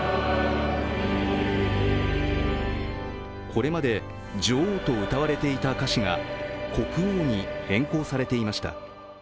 これまで女王と歌われていた歌詞が国王に変更されていました。